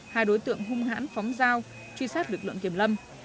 hai đối tượng hung hãn phóng dao truy sát lực lượng kiểm lâm